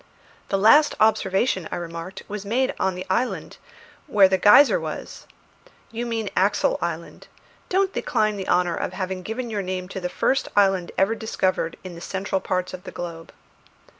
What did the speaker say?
"The last observation," I remarked, "was made on the island, when the geyser was " "You mean Axel Island. Don't decline the honour of having given your name to the first island ever discovered in the central parts of the globe."